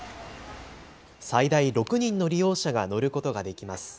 最大６人の利用者が乗ることができます。